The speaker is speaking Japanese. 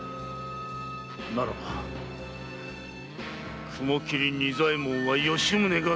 ならば雲切仁左衛門は吉宗が斬る！